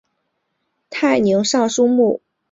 泰宁尚书墓的历史年代为明。